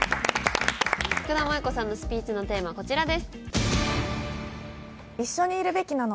福田萌子さんのスピーチのテーマこちらです。